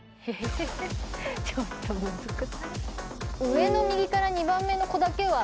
上の右から２番目の子だけは。